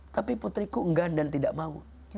tapi putriku enggan dan tidak mau